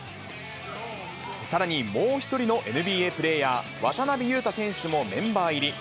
さらに、もう１人のＮＢＡプレーヤー、渡邊雄太選手もメンバー入り。